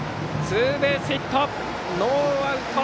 ツーベースヒット！